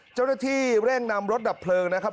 เจ้าหน้าที่เร่งนำรถดับเพลิงนะครับ